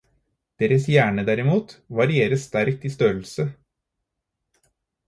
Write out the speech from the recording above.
Deres hjerne, derimot, varierer sterkt i størrelse.